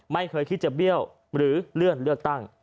ไม่เคยคิดจะเบี้ยวหรือเลื่อนเลือกตั้ง